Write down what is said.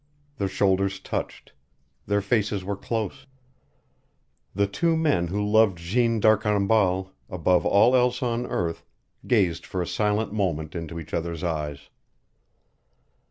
Their shoulders touched. Their faces were close. The two men who loved Jeanne d'Arcambal above all else on earth gazed for a silent moment into each other's eyes.